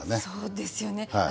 そうですよね。